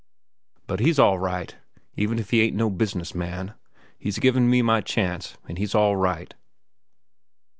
But he's all right, even if he ain't no business man. He's given me my chance, an' he's all right."